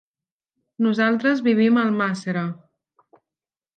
Nosaltres vivim a Almàssera.